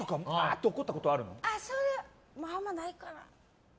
それもあんまないかな。